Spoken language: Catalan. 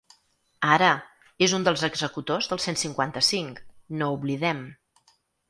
Ara, és un dels executors del cent cinquanta-cinc, no ho oblidem.